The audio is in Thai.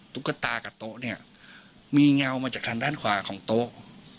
ตุ๊กตากับโต๊ะเนี่ยมีเงามาจากคันด้านขวาของโต๊ะ